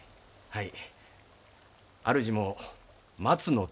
はい。